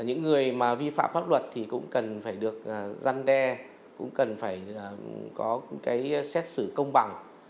những người mà vi phạm pháp luật thì cũng cần phải được răn đe cũng cần phải có cái xét xử công bằng